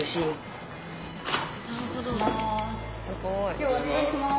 今日はお願いします。